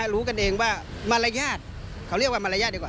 คือตามกฎหมายแล้วเมื่อกี้ก็